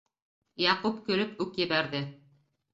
- Яҡуп көлөп үк ебәрҙе.